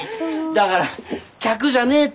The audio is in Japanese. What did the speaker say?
だから客じゃねえって！